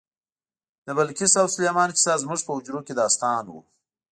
د بلقیس او سلیمان کیسه زموږ په حجرو کې داستان و.